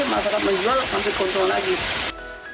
masyarakat menjual sampai konsol lagi